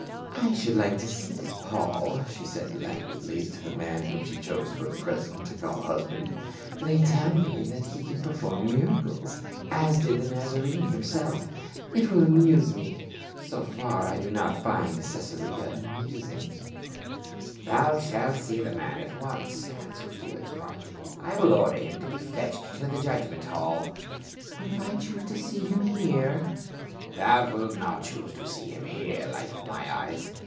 " I should like to see this Paul," she said languidly to the man whom she chose for the present to call husband. "They tell me that he can perform mira cles, as did the Nazarene himself It will amuse me ; so far I do not find Caesarea amusing." " Thou shalt see the man and at once," answered * Josephus, Antiq., xx., 7, | 2. See also Acts viii., 9 24. PA UL AND FELIX. 411 Felix promptly ;" I will order him to be fetched to the judgment hall." " But if I choose to see him here ?"Thou wilt not choose to see him here, light of my eyes."